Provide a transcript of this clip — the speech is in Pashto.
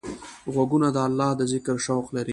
غوږونه د الله د ذکر شوق لري